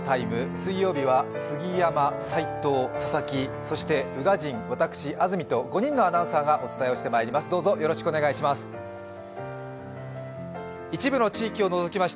水曜日は杉山、齋藤、佐々木、そして宇賀神、私、安住と５人のアナウンサーがお伝えしてまいります。